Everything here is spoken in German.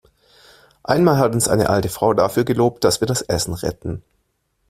Einmal hat uns eine alte Frau dafür gelobt, dass wir das Essen retten.